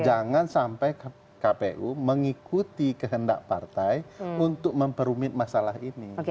jangan sampai kpu mengikuti kehendak partai untuk memperumit masalah ini